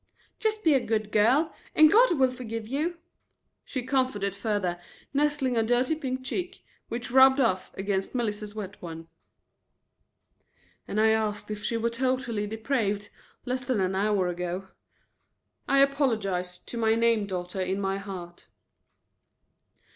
"Just be a good girl and God will forgive you," she comforted further, nestling a dirty pink cheek, which rubbed off, against Melissa's wet one. "And I asked if she were totally depraved, less than an hour ago," I apologized to my name daughter in my heart.